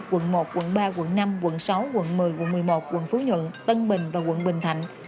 quận một quận ba quận năm quận sáu quận một mươi quận một mươi một quận phú nhuận tân bình và quận bình thạnh